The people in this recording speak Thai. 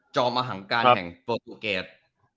จอมอหังการแห่งโฟตาเกจ